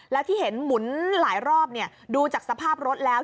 แล้วที่เห็นหมุนหลายรอบดูจากสภาพรถแล้ว